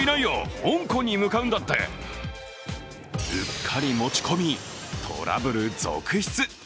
うっかり持ち込み、トラブル続出。